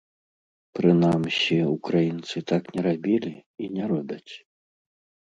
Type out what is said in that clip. Прынамсі, украінцы так не рабілі і не робяць.